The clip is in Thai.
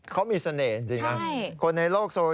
เขามีเสน่ห์จริงครับ